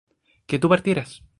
que tú partieras